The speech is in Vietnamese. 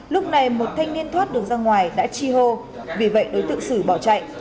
lúc này một thanh niên thoát được ra ngoài đã chi hô vì vậy đối tượng sử bỏ chạy